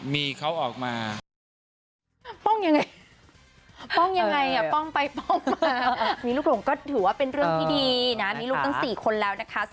มีเขาออกมา